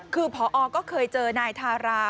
คือพอก็เคยเจอนายทารา